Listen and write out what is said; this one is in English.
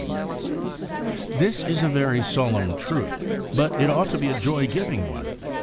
This is a very solemn truth, but it ought to be a joy giving one.